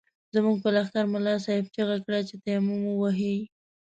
زموږ په لښکر ملا صاحب چيغه کړه چې تيمم ووهئ.